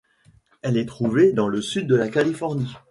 Elle est trouvée dans le sud de la Californie.